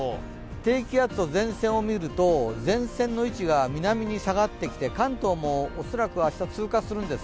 低気圧、前線を見ると前線の位置が南に下がってきて、関東もおそらく明日、通過するんです。